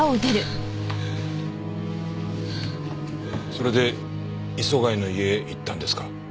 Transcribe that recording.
それで磯貝の家へ行ったんですか？